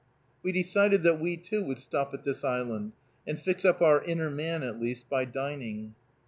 We decided that we, too, would stop at this island, and fix up our inner man, at least, by dining.